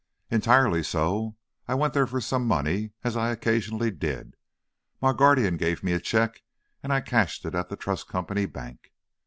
"Entirely so. I went there for some money, as I occasionally did. My guardian gave me a check and I cashed it at the Trust Company Bank."